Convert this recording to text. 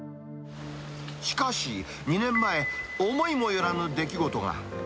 しかし２年前、思いもよらぬ出来事が。